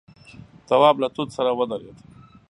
تواب له توت سره ودرېد.